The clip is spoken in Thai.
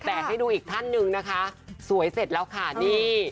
แต่ให้ดูอีกท่านหนึ่งนะคะสวยเสร็จแล้วค่ะนี่